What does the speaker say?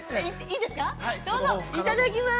いただきます。